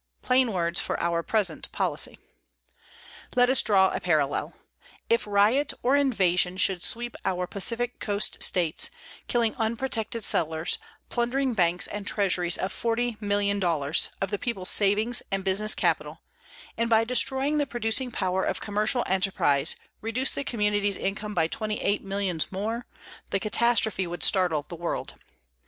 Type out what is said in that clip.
PLAIN WORDS FOR OUR PRESENT POLICY Let us draw a parallel: If riot or invasion should sweep our Pacific coast states, killing unprotected settlers, plundering banks and treasuries of $40,000,000 of the people's savings and business capital, and by destroying the producing power of commercial enterprise reduce the community's income by twenty eight millions more, the catastrophe would startle the world.